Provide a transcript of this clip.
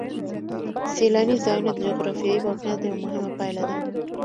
سیلاني ځایونه د جغرافیایي موقیعت یوه مهمه پایله ده.